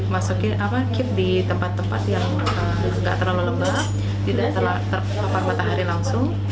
masukin apa keep di tempat tempat yang tidak terlalu lembab tidak terlalu terkepar matahari langsung